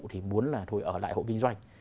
thì muốn là thôi ở lại hộ kinh doanh